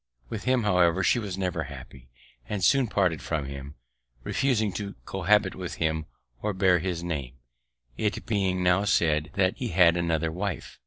With him, however, she was never happy, and soon parted from him, refusing to cohabit with him or bear his name, it being now said that he had another wife.